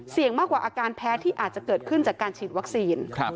มากกว่าอาการแพ้ที่อาจจะเกิดขึ้นจากการฉีดวัคซีน